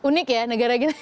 unik ya negara kita